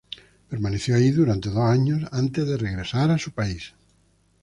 Permaneció ahí durante dos años antes de regresar a su país.